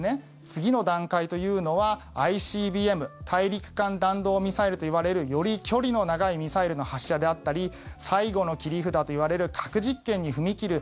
次の段階というのはＩＣＢＭ・大陸間弾道ミサイルといわれるより距離の長いミサイルの発射であったり最後の切り札といわれる核実験に踏み切る